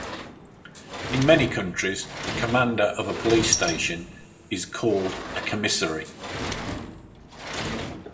In many countries, the commander of a police station is called a commissary.